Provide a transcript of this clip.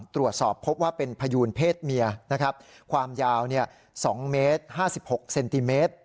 ตรวจสอบพบว่าเป็นพยูนเพศเมียนะครับความยาว๒เมตร๕๖เซนติเมตร